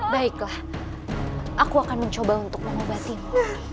baiklah aku akan mencoba untuk mengobatimu